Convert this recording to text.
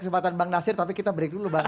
kesempatan bang nasir tapi kita break dulu bang